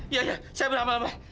iya iya saya beramal mbak